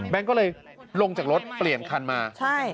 แบงค์ก็เลยลงจากรถเปลี่ยนคันมา